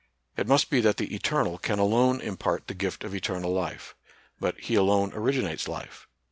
It must be that the Eternal can alone impart the gift of eternal life. But He alone originates life.